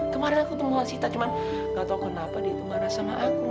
kemarin aku ketemu mbak sita cuman gak tau kenapa dia itu marah sama aku